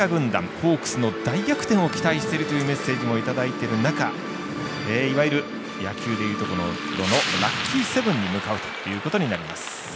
ホークスの大逆転を期待しているといったメッセージもいただいてる中いわゆる野球で言うところのラッキーセブンに向かうということになります。